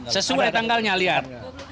sesuai tanggalnya lihat